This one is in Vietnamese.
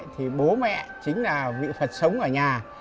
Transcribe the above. thì bố mẹ chính là bị phật sống ở nhà